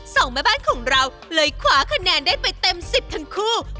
สองแม่บ้านของเราเลยคว้าคะแนนได้ไปเต็มสิบทั้งคู่